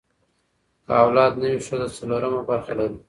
که اولاد نه وي، ښځه څلورمه برخه لري.